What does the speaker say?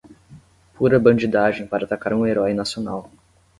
Pura bandidagem para atacar um herói nacional